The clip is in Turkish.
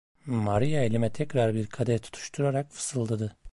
Maria elime tekrar bir kadeh tutuşturarak fısıldadı.